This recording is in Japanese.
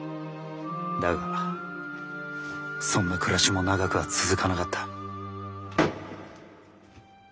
だがそんな暮らしも長くは続かなかった。